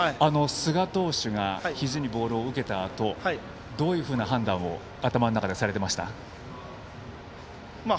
寿賀投手がひじにボールを受けたあとどういう判断を頭の中でされてました？